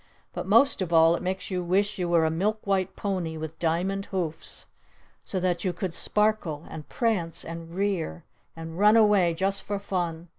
But most of all it makes you wish you were a milk white pony with diamond hoofs! So that you could sparkle! And prance! And rear! And run away just for fun!